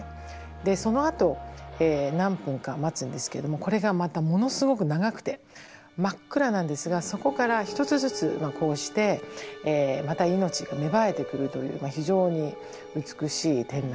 でそのあと何分か待つんですけどもこれがまたものすごく長くて真っ暗なんですがそこから１つずつこうしてまた命が芽生えてくるという非常に美しい展示でした。